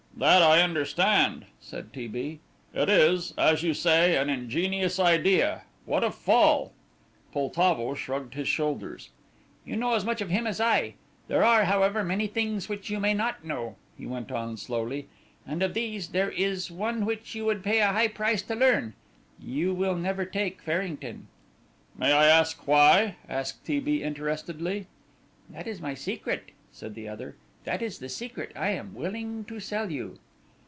"That I understand," said T. B.; "it is, as you say, an ingenious idea what of Fall?" Poltavo shrugged his shoulders. "You know as much of him as I. There are, however, many things which you may not know," he went on slowly, "and of these there is one which you would pay a high price to learn. You will never take Farrington." "May I ask why?" asked T. B. interestedly. "That is my secret," said the other; "that is the secret I am willing to sell you."